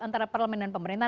antara parlement dan pemerintah